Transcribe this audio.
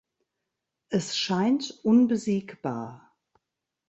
Es scheint unbesiegbar.